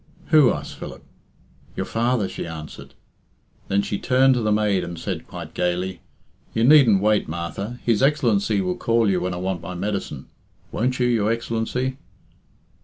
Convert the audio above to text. "Who?" asked Philip. "Your father," she answered. Then she turned to the maid and said, quite gaily, "You needn't wait, Martha. His Excellency will call you when I want my medicine. Won't you, your Excellency?"